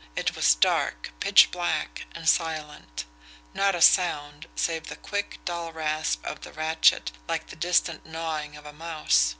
It was dark, pitch black and silent. Not a sound, save the quick, dull rasp of the ratchet like the distant gnawing of a mouse!